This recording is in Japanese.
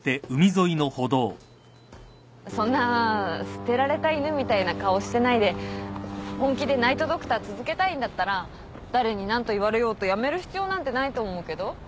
そんな捨てられた犬みたいな顔してないで本気でナイト・ドクター続けたいんだったら誰に何と言われようと辞める必要なんてないと思うけど。